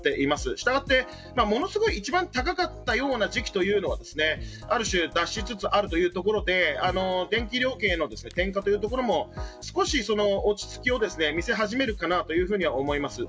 従って、一番高かったような時期というのはある種、脱しつつあるということで電気料金への転嫁というところも少し落ち着きを見せ始めるかなと思います。